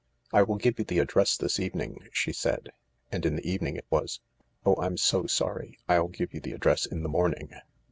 " I will give you the address this evening," she said. And in the evening it was, " Oh, I'm so sorry— I'll give you the address in the morning."